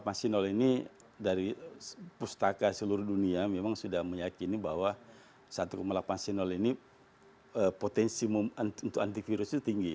iya jadi satu delapan sineol ini dari pustaka seluruh dunia memang sudah meyakini bahwa satu delapan sineol ini potensi untuk antivirus itu tinggi